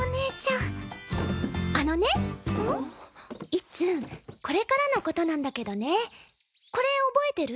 いっつんこれからのことなんだけどねこれ覚えてる？